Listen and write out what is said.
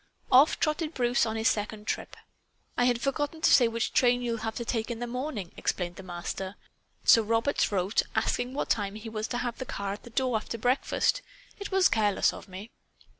Off trotted Bruce on his second trip. "I had forgotten to say which train you'll have to take in the morning," explained the Master. "So Roberts wrote, asking what time he was to have the car at the door after breakfast. It was careless of me."